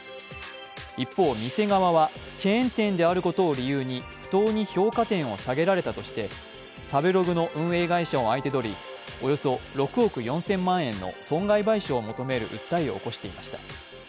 一方、店側はチェーン店であることを理由に不当に評価点を下げられたとして食べログの運営会社を相手取り、およそ６億４０００万円の損害賠償を求める訴えを起こしていました。